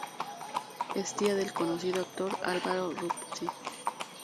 Es tía del conocido actor Álvaro Rudolphy.